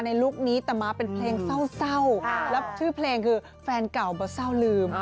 ลุคนี้แต่มาเป็นเพลงเศร้าแล้วชื่อเพลงคือแฟนเก่าบ่เศร้าลืม